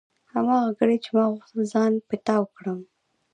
هماغه ګړۍ چې ما غوښتل ځان پټاو کړم.